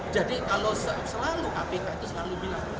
jadi kalau selalu kpk itu bilang